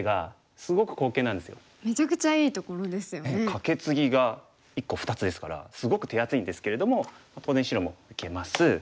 カケツギが１個２つですからすごく手厚いんですけれども当然白も受けます。